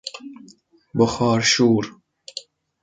بخار شور